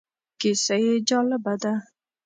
کیسه یې جالبه ده.